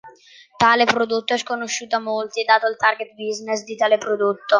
Tale prodotto è sconosciuto a molti, dato il target business di tale prodotto.